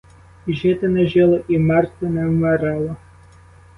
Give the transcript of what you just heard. І жити не жило, і вмерти не вмирало.